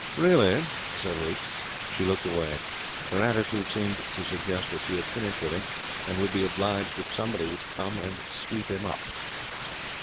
'Really?' said Ruth. She looked away. Her attitude seemed to suggest that she had finished with him, and would be obliged if somebody would come and sweep him up.